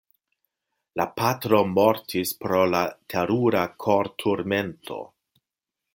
La patro mortis pro la terura korturmento.